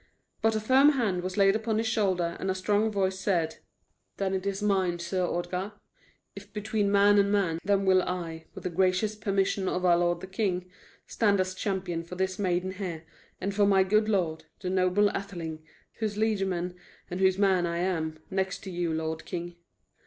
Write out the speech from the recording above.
But a firm hand was laid upon his shoulder, and a strong voice said: "Then is it mine, Sir Ordgar. If between man and man, then will I, with the gracious permission of our lord the king, stand as champion for this maiden here and for my good lord, the noble Atheling, whose liegeman and whose man am I, next to you, lord king."